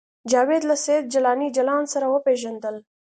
جاوید له سید جلاني جلان سره وپېژندل